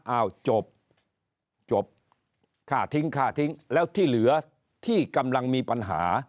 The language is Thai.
อ้าวจบจบค่าทิ้งค่าทิ้งแล้วที่เหลือที่กำลังมีปัญหา